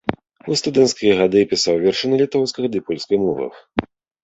У студэнцкія гады пісаў вершы на літоўскай і польскай мовах.